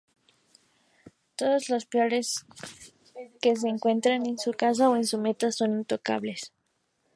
Todos los peones que se encuentren en su casa o su meta son intocables.